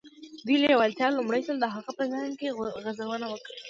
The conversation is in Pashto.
دې لېوالتیا لومړی ځل د هغه په ذهن کې غځونې وکړې.